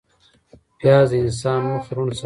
پیاز د انسان مخ روڼ ساتي